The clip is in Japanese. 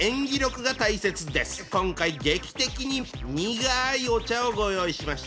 今回劇的に苦いお茶をご用意しました。